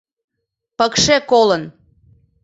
Пыкше колын...